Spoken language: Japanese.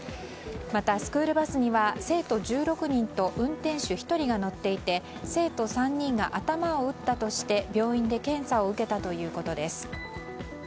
またスクールバスには生徒１６人と運転手１人が乗っていて生徒３人が頭を打ったとして病院で検査を受けたということです。